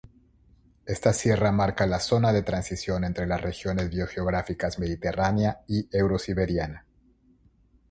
Esta sierra marca la zona de transición entre las regiones biogeográficas mediterránea y eurosiberiana.